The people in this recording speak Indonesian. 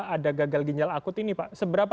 ada gagal ginjal akut ini pak seberapa